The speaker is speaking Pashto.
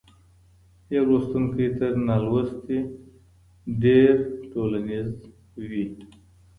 يو لوستونکی تر نالوستي ډېر ټولنيز وي.